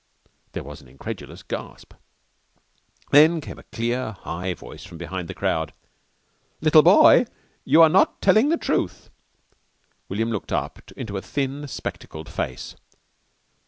There was an incredulous gasp. Then there came a clear, high voice from behind the crowd. "Little boy, you are not telling the truth." William looked up into a thin, spectacled face.